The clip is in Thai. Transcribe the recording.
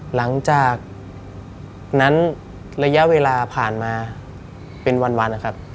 หลังจากนั้นระยะเวลาผ่านมาเป็นวันนะครับ